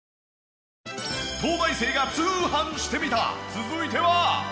続いては。